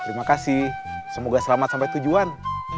terima kasih semoga selamat sampai tujuan